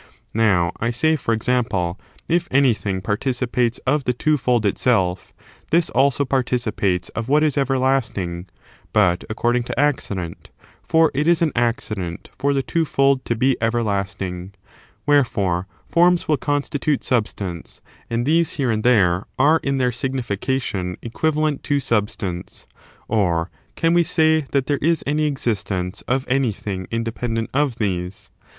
Now I say, for example, if anything participates of the two fold itself, this also participates of what is everlasting, but according to accident, for it is an accident for the twofold to be everlasting. Wherefore, forms will constitute substance, and these here and there ^ are in their signification equivalent to substance ; or, can we say that there is any existence of anything independent of these?